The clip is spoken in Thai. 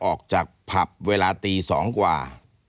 ออกจากภาพเวลาตี๑๐กว่า